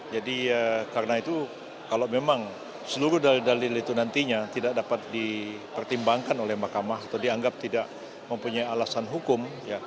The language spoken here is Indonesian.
jadi karena itu kalau memang seluruh dalil dalil itu nantinya tidak dapat dipertimbangkan oleh mahkamah atau dianggap tidak mempunyai alasan hukum